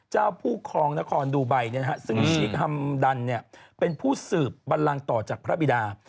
ผู้ครองนครดูไบซึ่งชิคฮัมดันเป็นผู้สืบบันลังต่อจากพระบิดา